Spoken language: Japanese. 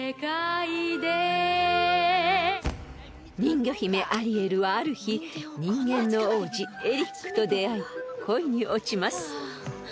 ［人魚姫アリエルはある日人間の王子エリックと出会い恋に落ちます］